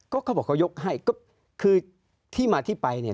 ก็เขาบอกเขายกให้ก็คือที่มาที่ไปเนี่ย